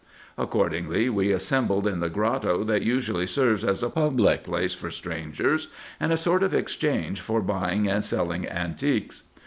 Accordingly, we assembled in the grotto, that usually serves as a public place for strangers, and a sort of exchange for buying and selling antiques.